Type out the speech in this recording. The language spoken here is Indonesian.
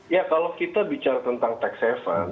ya kalau kita bicara tentang tax haven